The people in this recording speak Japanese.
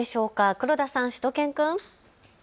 黒田さん、しゅと犬くん。